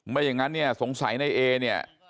ไม่อย่างนั้นเนี่ยสงสัยในเอเนี่ย